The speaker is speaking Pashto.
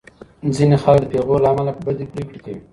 ځینې خلک د پېغور له امله بدې پرېکړې کوي.